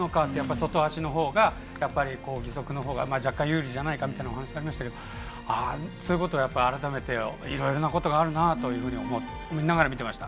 外側が義足のほうが有利だというお話がありましたけどそういうことを改めていろいろなことがあるなと思いながら見ていました。